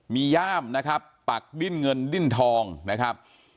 มีย่ามนะครับปักดิ้นเงินดิ้นทองนะครับ